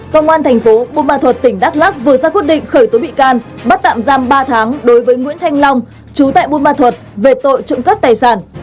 công an thành phố bùn ma thuật tỉnh đắk lắc vừa ra quyết định khởi tố bị can bắt tạm giam ba tháng đối với nguyễn thanh long chú tại bùn ma thuật về tội trụng cất tài sản